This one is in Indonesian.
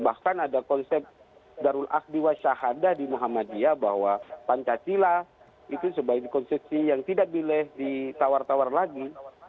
bahkan ada konsep darul akhdiwa syahadah di muhammadiyah bahwa pancasila itu sebagai konsepsi yang tidak boleh ditawar tawar lagi